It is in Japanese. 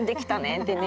ってね